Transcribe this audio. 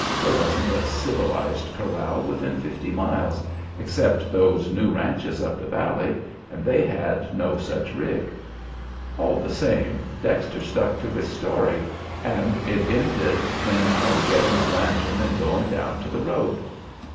There wasn't a civilized corral within fifty miles except those new ranches up the valley, and they had no such rig. All the same, Dexter stuck to his story, and it ended in our getting a lantern and going down to the road.